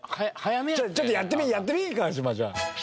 ちょっとやってみやってみ川島じゃあ。